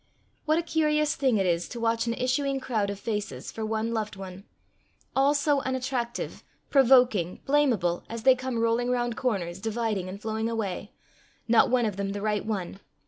What a curious thing it is to watch an issuing crowd of faces for one loved one all so unattractive, provoking, blamable, as they come rolling round corners, dividing, and flowing away not one of them the right one!